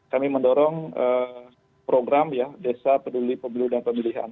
kami mendorong program ya desa peduli pemilu dan pemilihan